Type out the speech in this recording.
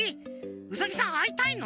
ウサギさんあいたいの？